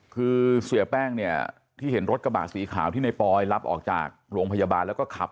คือเสียแป้งเนี่ยที่เห็นรถกระบะสีขาวที่ในปอยรับออกจากโรงพยาบาลแล้วก็ขับ